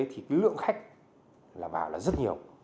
thì cái lượng khách là bảo là rất nhiều